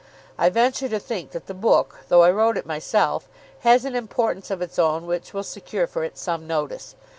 I venture to think that the book, though I wrote it myself, has an importance of its own which will secure for it some notice.